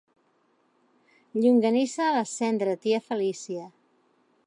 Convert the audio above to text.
Llonganissa a la cendra, tia Felícia!